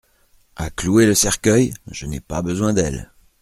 À clouer le cercueil ? Je n'ai pas besoin d'elles.